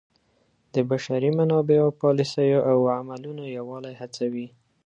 د بشري منابعو پالیسیو او عملونو یووالی هڅوي.